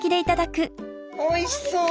おいしそう！